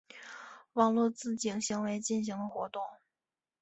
网络自警行为进行的活动。